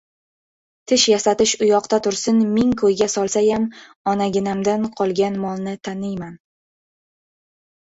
Tish yasatish uyoqda tursin, ming ko‘yga solsayam, onaginamdan qolgan molni taniyman.